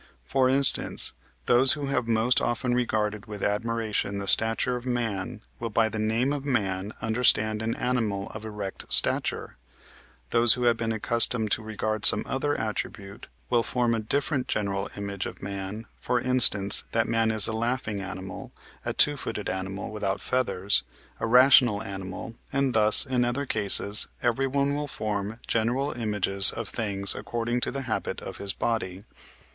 For instance, those who have most often regarded with admiration the stature of man, will by the name of man understand an animal of erect stature; those who have been accustomed to regard some other attribute, will form a different general image of man, for instance, that man is a laughing animal, a two footed animal without feathers, a rational animal, and thus, in other cases, everyone will form general images of things according to the habit of his body.